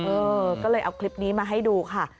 เออก็เลยเอาคลิปนี้มาให้ดูค่ะ